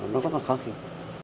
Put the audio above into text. nó rất là khó khiến